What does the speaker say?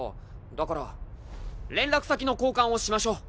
だから連絡先の交換をしましょう。